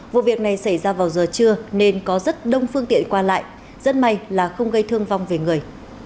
vụ việc này xảy ra vào giờ trưa nên có rất đông phương tiện qua lại rất may là không gây thương vong về người